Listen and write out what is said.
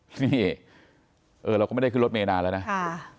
นี่เออเราก็ไม่ได้ขึ้นรถเมย์นานแล้วนะ